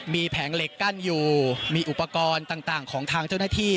มีแผงเหล็กกั้นอยู่มีอุปกรณ์ต่างของทางเจ้าหน้าที่